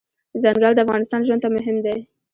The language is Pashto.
ځنګل د انسان ژوند ته مهم دی.